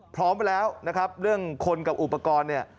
พร้อมไปแล้วนะครับเรื่องคนกับอุปกรณ์เนี่ย